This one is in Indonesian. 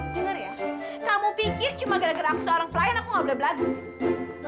jangan ya kamu pikir cuma gara gara aku seorang pelayan aku gak boleh beladuk